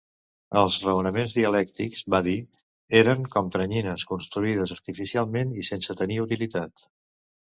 "Els raonaments dialèctics", va dir, "eren com teranyines, construïdes artificialment i sense tenir utilitat.